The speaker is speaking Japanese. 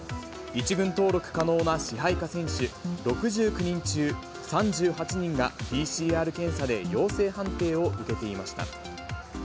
１軍登録可能な支配下選手６９人中３８人がＰＣＲ検査で陽性判定を受けていました。